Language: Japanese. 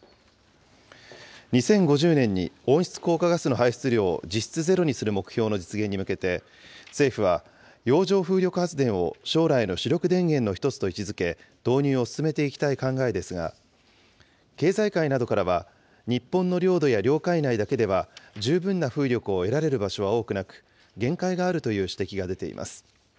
２０５０年に温室効果ガスの排出量を実質ゼロにする目標の実現に向けて、政府は洋上風力発電を将来の主力電源の１つと位置づけ導入を進めていきたい考えですが、経済界などからは、日本の領土や領海内だけでは十分な風力を得られる場所は多くなく、限界があるという指摘が出ています。